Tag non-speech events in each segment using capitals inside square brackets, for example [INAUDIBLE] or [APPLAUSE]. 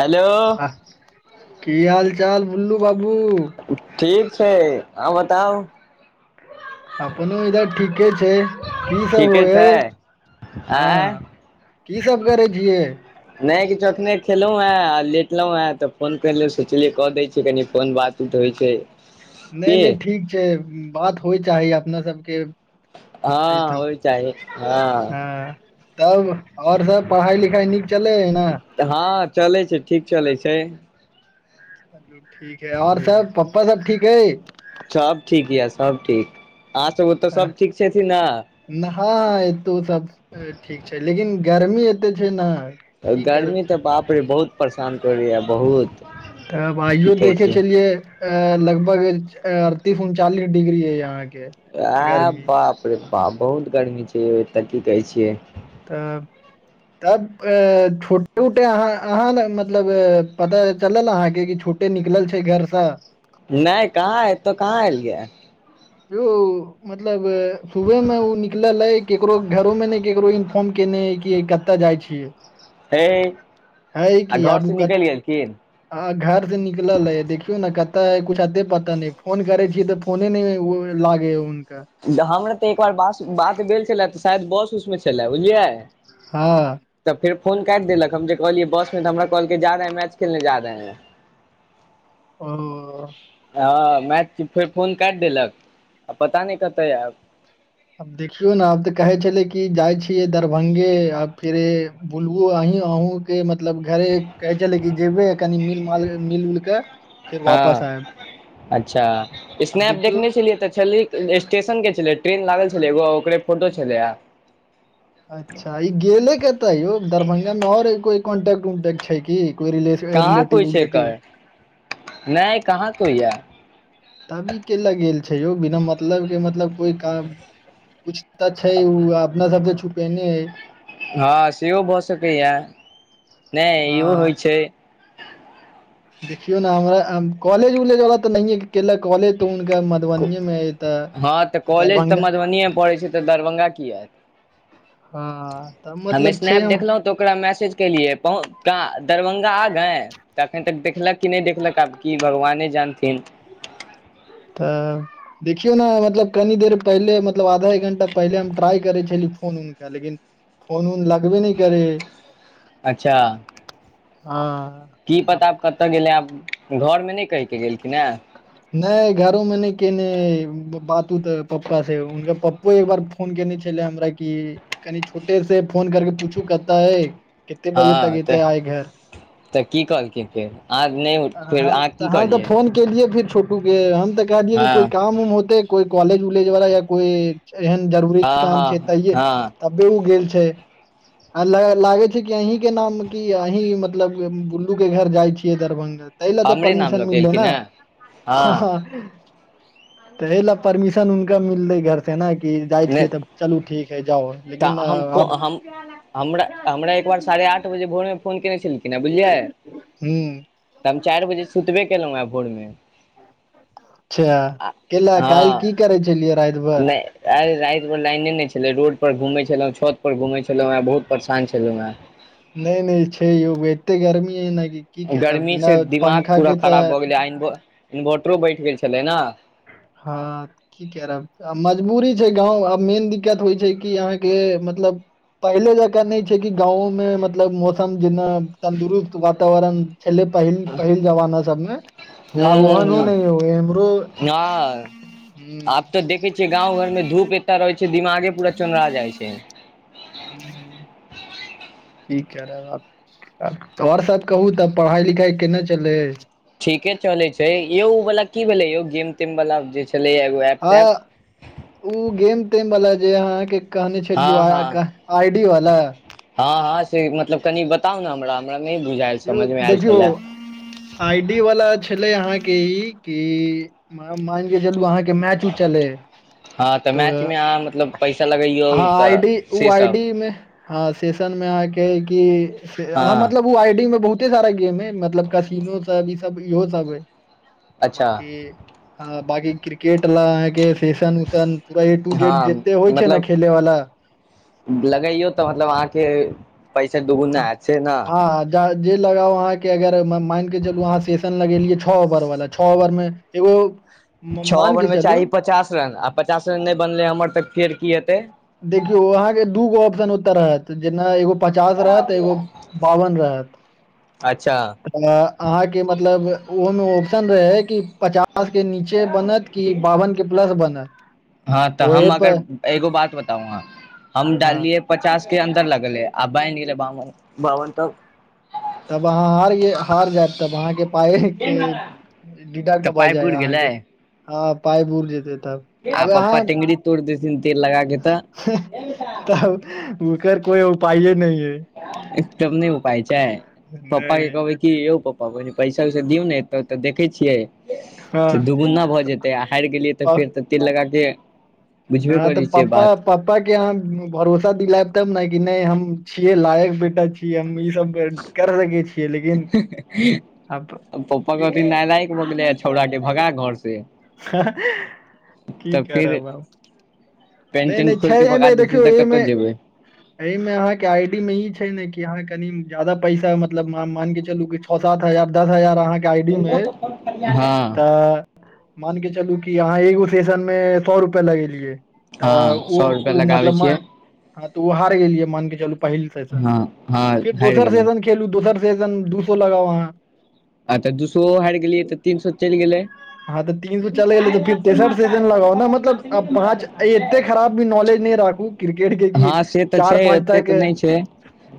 Hello आह की हाल चाल भुल्लू बाबू ठीक छै अ बताउ अपनो इधर ठीके छै की सब हो ठीके ह छै हँ आँय की सब करै छियै नहि किछु अखने खेलहुं हें आ लेटलो हें तऽ फोन कले सोचलिये कऽ द छी नहि की नहि ठीक छै बात होइ चाही अपना सबके छै हँ तऽ होय चाही हँ तब आओर सब पढ़ाई लिखाई नीक चले है ने हँ चलैत छै ठीक चलैत छै ठीक है और सब पप्पा सब ठीक है सब ठीक यऽ सब ठीक अह सब ओतऽ सब ठीक छथिन ने हँ एतो सब ठीक छै लेकिन गर्मी एते छै ने की कर गर्मी तऽ बाप रे बहुत परेशान करैय बहुत तऽब की आइयो कहै देखे छै छलियै अ लगभग अड़तीस उनचालीस डिग्री है यहाँ के आ बाप रे बाप बहुत गर्मी छै ओ तऽ की कहै छियै तऽ तब अ छोटे उटे अहाँ अहाँ ने मतलब पता चलल अहाँके निकलल छै घरसँ नहि कहाँ एतो कहाँ आयल ले मतलब सुबह मे ओ निकलल छै केकरो घरो मे ने केकरो इन्फॉर्म केने है कि कतऽ जाइ छियै हे है आ कि घर आबू से कत निकेल गेलखिन आ घर से निकल है देखियौ ने कते ह कु अते पता नहि फोन करे छी तऽ फोने नहि लागेया उनक हमरा तऽ एक बार बात भेल छलए तऽ शायद बस उसमे छलए बुझलियै हँ तऽ फेर फोन काट देलक हम जे कहलियै बस मे तऽ हमरा कहलकै जा है मैच खेलने जा रहे है ह [INAUDIBLE] हँ मै फेर फोन काटि देलक आ पता नहि कते आब आब देखियौ ने आब तऽ कहै छले कि जाइ छियै दरभंगे आ फिरे बुल अहीं अहूँ के मतलब घरे कहे छले क जेबे कनी मिल मिल उलके फेर वापस हँ आयब अच्छा आब स्नैप देखियौ देखने छलियै तऽ स्टेशन के छलै ट्रेन लागल छलै एगो ओकरे फोटो छलै अच्छा ई गेले केते यौ दरभंगा मे और कोई कॉन्टेक्ट उन्टेक्ट छै कि कोई रिलेशं कहाँ कोइ छै एकर नहि कहाँ कोइ य तब ई केयला गेल छै यौ बिना मतलब के मतलब कोइ काम कुछ तऽ छै ओ अपना सबके छुपेने एय हँ सेहो भऽ सकैए नहि आ इहो होइ छै देखियौ ने हमरा कॉलेज उलेज वला तऽ नहि केल कॉलेज तऽ हुनका म हँ तऽ कॉलेज तऽ मधुबनिएमे पड़ैत छै तऽ दरभंगा कीया हँ तऽ मतलब छै त ओकरा मैसेज केलियै पहु दरभंगा आ गए तऽ एखन तक देखलक कि नहि देखलक आब कि भगवाने जानथिन तऽ देखियौ ने मतलब कनी देर पहिले मत मतलब आधा एक घंटा पहिले हम ट्राई करे छली फोन उन के लेकिन फोन उन लगबे नहि करे अच्छा हां की पता आब कतऽ गेलै आब घर मे नहि कहि के गेलखिन ए नहि घरो मे नहि केने बात उत पप्पा से उनके पप्पा को एक बार फोन केने छले हमरा कि कनि छोटे से फोन करके पूछू कतऽ हय केते बजे हँ तक एते तऽ आय घर तऽ की कहलकै फेर आ नहि फेर हम अहाँ तऽ की हम तऽ कहलियै फोन केलियै फिर छोटू के हम तऽ कहलियै कि हँ कोइ काम उम होतै कोइ कॉलेज उलेज वाला या कोइ एहन जरूरी हँ काम छै हँ तैये हँ तबे ओ गेल छै आ लागे छै कि अहीं के नाम की अहीं मतलब बुल्लू के घर जाइ छियै दरभंगा त अय लए तऽ हमरे नाम परमिशन लऽ के मिलले एलखिन न हेँ हँ तऽ तहि लए परमिशन हुनका मिलतै घर से ने कि जाइ छियै नहि तब चलू ठीक हय जाउ तऽ लेकिन हम को आब हम हमरा हमरा एक बार साढ़े आठ बजे भोरमे फोन केयने छलखिन हँ बुझलियै हूं तऽ हम चारि बजे सुतबे केलहुँं हे भोर मे अच्छा केल काल्हि की करै छलियै रात भर आइ रातिमे लाइने नहि छलै रोड पर घुमै छलहुँ छत पर घुमै छलहुँ हँ बहुत परेशान छलहुँ हें नहि नहि छै यौ एते गर्मी हय न कि की करब गर्मी से बिना दिमाग पंखा पूरा के खराब तऽ भऽ गेलै आ इन्वर्टरो बैठ गेल छलै ने हाॅं की करब आ मजबूरी छै गाँव आब मेन दिक्कत होइ छै कि अहाँके मतलब पहिले जकाँ नहि छै कि गाँंवोमे मतलब मौसम जेना तंन्दुरुस्त वातावरण छले पहिल पहिल जमाना सबमे आब ओहन न एमहरो ह आब तऽ देखे छियै गाँंव घर में धूप एता रहै छै दिमागे पूरा चोनरा जाय छै ह ह कि करब अब ओर सब कहु तब पढ़ाई लिखाई केना चले ठीके चले छै यौ वाला की भेले यौ गेम तेम वाला जे छले एगो एप तेप ओ गेम तेम वाला जे अहाँके कहने हँ छलियो हँ आई डी वाला हँ हँ से मतलब कनि बताउ ने हमरा हमरा नहि बुझायल समझमे आयल छलए आइडी वाला छलै अहाँ के ई कि मान के चलु अहाँ कऽ के मैचू चले हँ तऽ मैचमे अहाँ मतलब पैसा लगैयौ हाँ तऽ आइडी ओ सेसभ आइडी में हाँ सेशन में आहाँके कि हँ मतलब ओ आइडी में बहुते सारा गेम हय मतलब कसीमो सब इ सब इहो सब हय आ अच्छा बाकी बाकी क्रिकेट लऽ अहाँकेँ सेसन उशन पूरा ए टू जेड हँ जते होइ छै ने मतलब खेले वाला लगैयौ तऽ मतलब अहाँ के पैसा हँ दुगुना ऐत छै न हँ जे लगाउ अहाँ के अगर मान के चलू अहाँ सेशन लगेलियै छ ओवर वाला छ ओवर मे एगो म- छ मान ओवर‌ के में चलू चाही पचास रन आ पचास रन नहि बनलै हमर तऽ फेर की हेतै देखियौ अहाँ के दूगो ऑप्शन ओतय होत जेना एगो पचास रहत एगो बावन रहत अच्छा तऽ अहाँ के मतलब ओ में ऑप्शन रहे कि पचास [UNINTELLIGIBLE] के नीचे बनत कि बावन के प्लस बनत हँ तऽ ओहे हम प अगर एगो बात बताउ अहां हम हँ डाललियै पचास के अन्दर लगलै आ बनि गेलै बाबन तऽ तब अहाँ हार हार जायब तब अहाँ के पाय के डिडेक्ट तऽ भऽ पाइ जायत पुरि अहाँ के गेलै ह पाय बुर जेते तब। आ आब पप्पा अहाँ टेंगरी तोड़ि देथिन तेल लगा के तऽ। तब ओकर कोइ उपाये नै यै। एकदम नहि उपाय छैय पप्पा के नहि कहबै की यौ पप्पा बहि पैसा वैसा दियौ ने एतऽ तऽ देखै छियै हँ तऽ दुगुना भऽ जेतै आ हारि गेलियै तऽ फेर तऽ तेल लगा के बुझबे हँ करै तऽ छीयै पप्पा बात। पप्पा के अहाँ भरोसा दिलायब तब ने कि नहि हम छीयै लायक बेटा छीयै हम ई सब कर सकै छियै लेकिन आब पप्पा की कहथिन के नलायक भऽ गेलए छौड़ा छौड़ाके भगा घर से। की तऽ फिर करब आब। पेंट नहि तेंट नहि खोल छैय के भगा एहिमे देखियौ देथिन तऽ कतऽ ओहिमे जेबै एहि में अहाँ के आईडी में ई छैय ने कि अहाँ कनि ज्यादा पैसा मतलब मायन के चलू किछ छः सात हजार दस हजार अहाँ के आईडी में हँ तऽ मान के चलू की अहाँ एगो सेशन में सए रुपआ लगेलियै तऽ हँ उ सौ रुपआ उ लगाबै मतलब छियै म तऽ ओ हार गेलियै मान के चलू पहिल सेसन हँ हँ फिर हारि दोसर गेलहुँ सेसन के खेलू दोसर सेजन दू सौ लगाउ अहां। आ तऽ दूसरो हारि गेलियै तऽ तीन सौ चलि गेलै। हाँ तऽ तीन सौ चल गेलै काहे तऽ फिर बात से तेसर मारता है सेशन छोटे लगाउ ने पापा के नाम मतलब से नहीं न मारा पाँच जाता एते है खराब भी नॉलेज नहि राखू क्रिकेट के की त छैय एते तऽ नहि छैय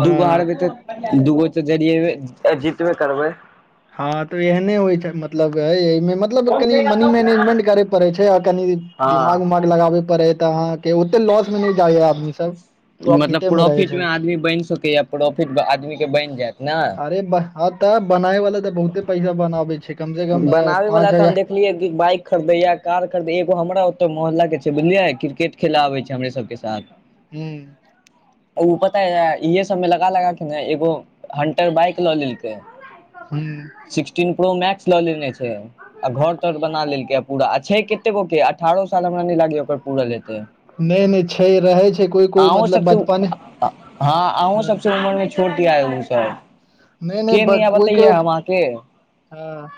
हँ दुगो हारबै त दूगो तऽ जरएबे जीतबे करबै। हँ तो एहने होइ छैय मतलब में मतलब वोट कनि देगा मनी तब ना मैनेजमेंट करे पड़े छैय आ कनि दिमाग हँ उमाग लगाबे पड़े तऽ अहाँ के ओते लॉस मे नहि जाइय आदमी सब। मतलब प्रॉफिटे रहै प्रोफिट मे छै आदमी बनि सकैया प्रॉफिट आदमी कऽ के बनि जायत ने। हाँ तऽ बनाय वाला तऽ बहुते पैसा बनबै छैय। बनाबे बाला तऽ हम देखलियै कि बाइक खरीदैए कार खरीदे एगो हमरा ओत मोहल्ला के छैय बुझलियै क्रिकेट खेला आबै छैय हमरे सब के साथ। हू उ पता ये इहे सब मे लगा लगा के ने एगो हंटर बाइक लऽ लेलकै। हूं सिक्सटीन प्रो मेक्स ल लेने छैय आ घर तर बना लेलकई पूरा आ छैय केते गो के अठारह साल हमरा नहि लागैया ओकर पूरल हेतै। नहि नहि छै रहै छै कोइ कोइ आउ मतलब सबसे उ बचपने हँ आउ हँ सबसँ उमरमे छोटि [UNINTELLIGIBLE] सब, नहि नहि के ब निया कोइ बतबियै कोइ हम आंहांके हँ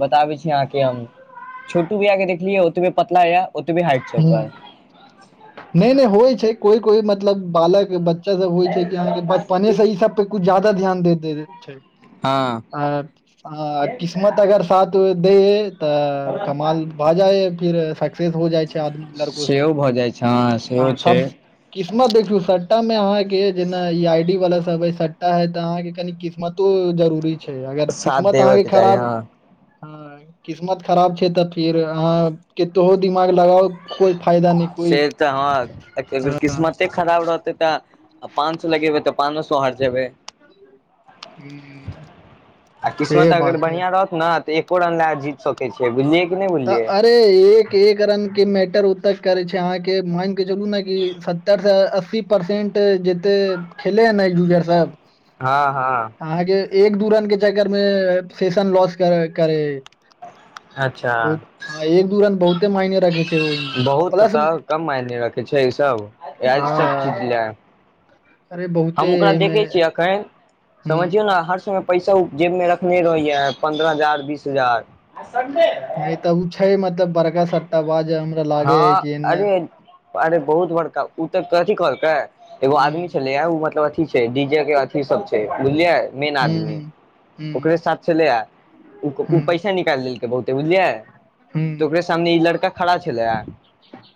बताबै छी अहाँके हम छोटू भईया के देखलियै ओतबे पतला या ओतबे हाइट छैय हूं ओकर। नहि नहि होइ छैय कोइ कोइ मतलब बालक बच्चा सब होइ छैय कि अहाँके बचपनेसँ ई सब पे कुछ ज्यादा ध्यान दे दै छैय हँ आ किस मत अगर साथ दे तऽ कमाल भ जाय फिर सक्सेस हो जाइ। छै आदमी लड़को सब सेहो भऽ जाइ छै सेहो हँ छै सब किस्मत देखीयव सट्टा मे अहाँ के जेना ई आई डी वाला सब हय सट्टा है ते अहाँ के कनि किस् मतो जरूरी छैय अगर साथ किस्मत देबय अहाँके के चाही खराब हँ ह किस्मत खराब छै तऽ फिर अहाँ केतो दिमाग लगाउ कोइ फायदा न कोइ से तऽ हँ अगर हँ किस्मते खराब रहतै तऽ आ पाँच सए लगेबै तऽ पाँचो सए हार जेबै आ से किस्मत अगर बात है बढ़िआ रहतै ना तऽ एको रन लए जीत सकैत छियै बुझलियै कि नहि तऽ बुझलियै एक एक रन के मैटर ओत करे छै अहाँके माइन के चलू ने कि सत्तर से अस्सी परसेंट जते खेले है ने यूजर सब हँ हँ अहाँके एक दू रन के चक्कर मे सेशन लॉस कर करे अच्छा बहुत एक दू रान बहुते मायने रख छै ओहिमे आ बहुत प्लस तऽ कम मायने रखे छै ई सब इ सब हँ चीज ये अरे बहुते हम ओकरा एहिमे देखै छियै अखन हूँ समझियौ ने हर समय पैसा उ जेब मे रखने रहैय पन्द्रह हजार बीस हजार है नइ तऽ ओ छै मतलब बड़का सबटटा बाज मे हँ अरे अरे बहुत बड़का ओ तऽ कथी कहलकै एगो आदमी हुं छलैयाह ओ मतलब अथ अथी छै डी जे के अथी सब छै बुझलियै मेन आदमी हुं हुं ओकरे साथ छलैया ओ हुं पैसा निकालि देलकै बहुते बुझलियै तऽ हुं ओकरे सामने ई लड़का खड़ा छलैया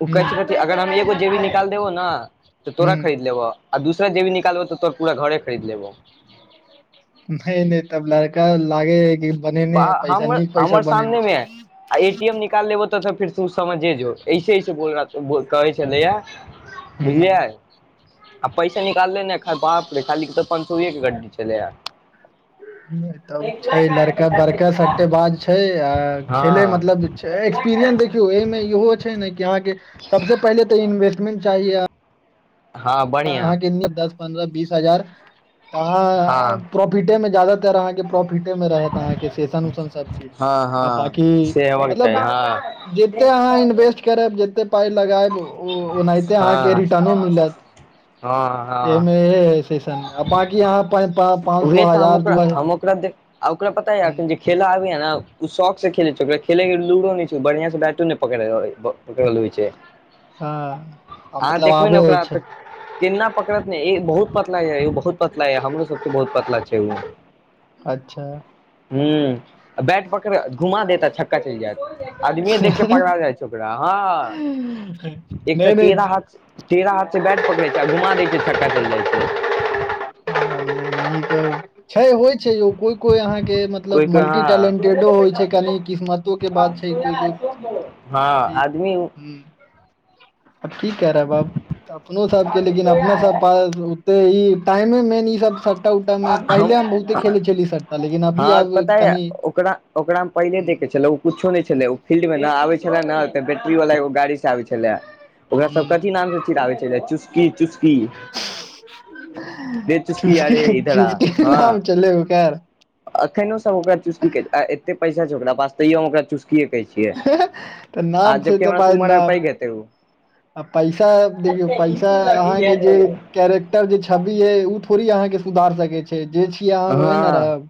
ओ कहै हुं छलैया अगर हम एगो जेबी निकाल देबौ ने तऽ तोरा हुं खरीद लेबह आ दूसरा जेबी निकालबो तो पूरा घरे खरीद लेबो नहि नहि तब लड़का लागे है कि बनेने है पैसा हमर नीक पैसा हमर बनेने सामने छै मे आ एटी एम निकाल लेबो तऽ त फेर ओ समझे जो जो ऐसेऐसे बोल रह हूँ बुझलियै आ पाँचसौ एक गड्डी छलैया तब छै कहाँ है लड़का बेटा बड़क टेकला सट्टे बाज छै खेले हाँ मतलब टेकला कहाँ एक्सपीरियंस है देखियो ए मे इहो छै छै ने कि अहाँके सबसँ पहिले तऽ इन्वेस्टमेंट चाही हँ बन अहाँ दस पन्द्रह बीस हजार हँ तह प्रोफिटे में जादातर अहाँके के प्रोफिटे मे रहत अहाँके सेसन उसन सब चीज हँ आ बाकी हँ से हेबाक मतलब चाही जते अहाँ इन्वेस्ट करब जते पाइ लगायब ओनाहिते अहाँके हँ हँ रिटर्नो मिल जात हँ ह एहिमे सेशन मे बाकी यहाँ पाँच उहे सए तऽ हम हजार ओकरा दूआ ह हम ओकरा ओकरा पता ये एखन खेला आबे है ने ओ शौक से खेले छै ओकरा खेले लूडो न छै बढ़िया से बैटो न पकड़े आबे पकरल होय छै हँ आ अहाँ मतलब देखबै ने आबेय ओकरा छै तऽ केना पकड़त ने इ बहुत पतला य बहुत पतला यऽ हमरो सब बहुत पतला छै उ अच्छा हूं बैट पकड़ घुमा देत आ छक्का चलि जायत आदमीए देख के पगला जाइ छै ओकरा हँ नहि नहि टेरा हाथ से बैट पकरे छै आ घुमा दै छै छक्का चलि जाइ छै [UNINTELLIGIBLE] छै होइ छै यौ कोई कोई अहाँ के कोइ मतलब कोइ हँ मल्टीटैलेंटेडो होइ छै कनि किस्मत तो के बात छै हँ इ आदमी अब की क रहे है ब अपनो सबके लेकिन अपना सा पास ओते इ टाइमे मेन ई सब उ उटा मे पहिले हम बहुते खेल चलि सकता लेकिन अभी हँ आब पता य कनि ओकरा ओकरा मे पहिले देखे छले ओ कुछो नहि छलै ओ फीलड मे न आबै छले ने तऽ बैटरी वाला एगो गाड़ी से आबै छलै ओकरा सब हूं कथी नाम से चिड़बे छै चुसकी चुसकी चुसकी अरे इधर आ चुसकी हँ नाम छले ओकर अखनो सब ओकरा चुसकी छै एते पैसा छै ओकरा पास तैयों ओकरा चुसकी कहे छै तऽ नाम छै त भाइ उमर मे नाम पैघ हेतै ओ आ पैसा देखियौ पैसा अहाँके जे कैरेक्टर जे छवि है थोड़ी अहाँ के सुधार सके छै जे छीिये अहाँ ओहे न रहब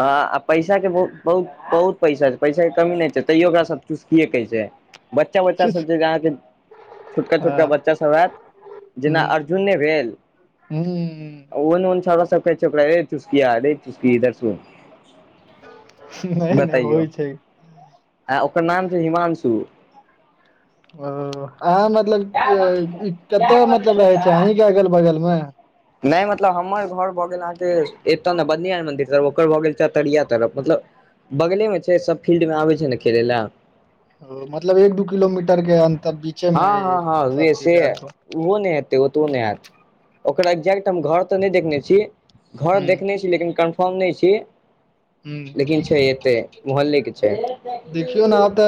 हँ आ पैसा के बहु बहुत बहुत पैसा छै पैसा के कमी नहि छै तैयो ओकरा सब चूसकी कहै छै बच्चा बच्चा सब जे अहाँके छोटका छोटका हँ बच्चासभ होयैत जेना अर्जुन ने भेल हू न ओऊन छोरा सबै छके चुसकीिया रे चुसकी इधर सुन नहि नहि बतैयौ होइ छै आ ओकर नाम छै हिमांशु ओ अहाँ मतलब कते मतलब रहे छै अहीं के अगल बगल मे नहि मतलब हमर घर भऽ गेल अहाँके एतय ने बदनिथ मन्दिर तरफ ओकर भऽ गेल चतरिआ तरफ मतलब बगलेमे छै सब फील्डमे आबै छै ने खेलय लए ओ मतलब एक दू किलोमीटर के अन्तर बीचे हँ मे हँ है हँ उहे सबके से घर ओहो नहि हेतै ओतबो नहि हतै ओकर एक्जैक्ट हम घर तऽ नहि देखने छी घर हूँ देखने छी लेकिन कन्फर्म नहि छी हूँ लेकिन छै एतेक मोहल्लेके देखियौ छै ने आब तऽ